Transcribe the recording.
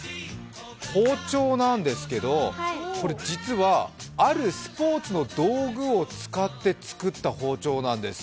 包丁なんですけど、実はあるスポ−ツの道具を使って作った包丁なんです。